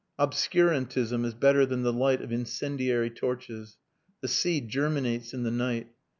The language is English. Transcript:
Obscurantism is better than the light of incendiary torches. The seed germinates in the night.